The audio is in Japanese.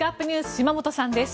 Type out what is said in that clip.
島本さんです。